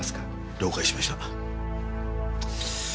了解しました。